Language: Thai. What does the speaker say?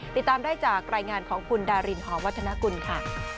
ติดตามได้จากรายงานของคุณดารินหอวัฒนกุลค่ะ